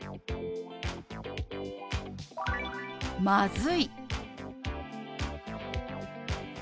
「まずい」。